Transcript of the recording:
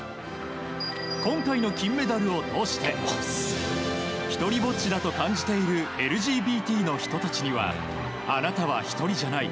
今回の金メダルを通して一人ぼっちだと感じているＬＧＢＴの人たちにはあなたは１人じゃない。